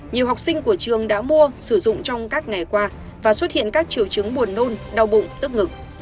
nhiều học sinh của trường đã mua sử dụng trong các ngày qua và xuất hiện các triệu chứng buồn nôn đau bụng tức ngực